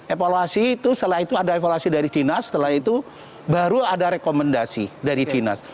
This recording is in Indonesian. evaluasi itu setelah itu ada evaluasi dari dinas setelah itu baru ada rekomendasi dari dinas